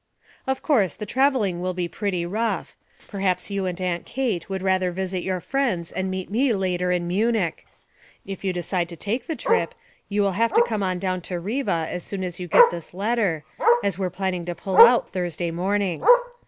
'Of course the travelling will be pretty rough. Perhaps you and Aunt Kate would rather visit your friends and meet me later in Munich. If you decide to take the trip, you will have to come on down to Riva as soon as you get this letter, as we're planning to pull out Thursday morning.